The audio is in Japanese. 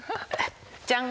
じゃん。